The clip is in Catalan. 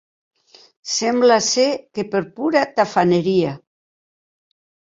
Sembla ser que per pura tafaneria.